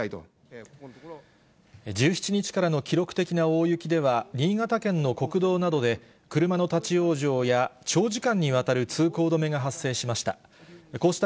１７日からの記録的な大雪では、新潟県の国道などで、車の立往生や長時間にわたる通行止めが発生しました。